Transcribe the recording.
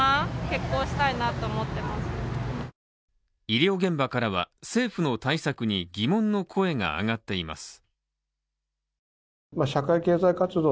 医療現場からは、政府の対策に疑問の声が上がっています。